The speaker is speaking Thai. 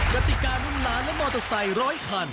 กติการุ่นล้านและมอเตอร์ไซค์ร้อยคัน